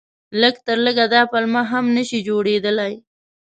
لږ تر لږه دا پلمه هم نه شي جوړېدلای.